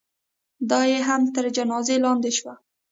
دا یې هم تر جنازې لاندې شوه.